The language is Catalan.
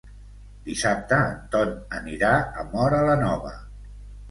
Dissabte en Ton anirà a Móra la Nova.